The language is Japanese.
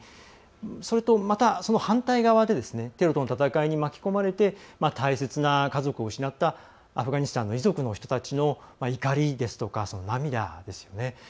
それと、また反対側でテロとの戦いに巻き込まれて大切な家族を失ったアフガニスタンの遺族の人たちの怒りですとか、涙ですよね。